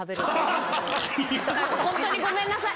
本当にごめんなさい！